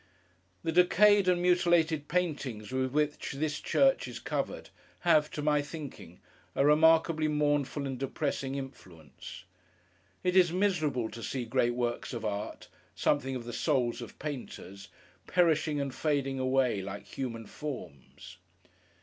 The decayed and mutilated paintings with which this church is covered, have, to my thinking, a remarkably mournful and depressing influence. It is miserable to see great works of art—something of the Souls of Painters—perishing and fading away, like human forms.